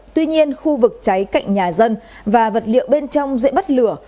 tuy nhiên khu vực cháy cạnh nhà dân và vật liệu bên trong dễ bắt lửa